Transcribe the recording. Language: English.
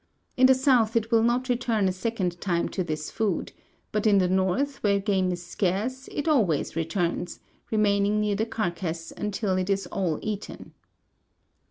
In the south it will not return a second time to this food, but in the north, where game is scarce, it always returns, remaining near the carcass until it is all eaten.